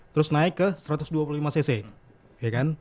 terus naik ke satu ratus dua puluh lima cc